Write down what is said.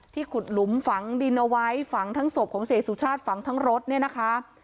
ขุดหลุมฝังดินเอาไว้ฝังทั้งศพของเสียสุชาติฝังทั้งรถเนี่ยนะคะ